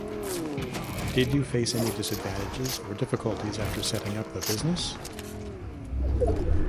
Did you face any disadvantages or difficulties after setting up the business?